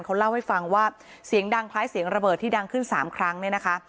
เขาเล่าให้ฟังว่าเสียงดังคล้ายเสียงระเบิดที่ดังขึ้น๓ครั้งเนี่ยนะคะ